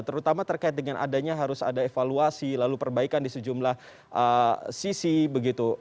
terutama terkait dengan adanya harus ada evaluasi lalu perbaikan di sejumlah sisi begitu